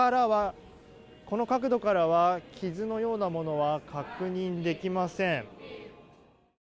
この角度からは傷のようなものは確認できません。